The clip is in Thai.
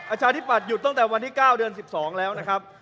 ประชาธิบัตย์หยุดตั้งแต่วันที่๙เดือน๑๒แล้วนะครับ